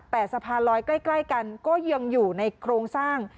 แต่สะพานลอยใกล้กันก็ยังอยู่ในโครงสร้าง